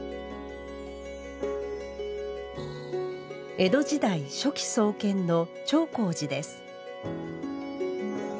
江戸時代初期創建の長香寺です。